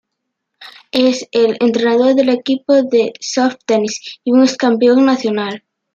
Es el entrenador del equipo de soft tennis y un ex campeón nacional.